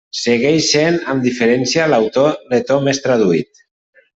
Segueix sent amb diferència l'autor letó més traduït.